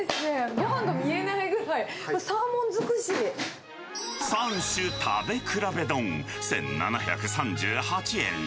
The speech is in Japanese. ごはんが見えないぐらい、三種食べ比べ丼１７３８円。